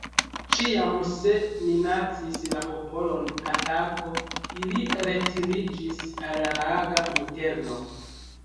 Ĉiam, se minacis la popolon atako, ili retiriĝis al la laga interno.